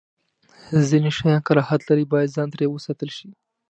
ځینې شیان کراهت لري، باید ځان ترې وساتل شی.